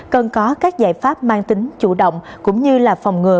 cần có các giải pháp mang tính chủ động cũng như là phòng ngừa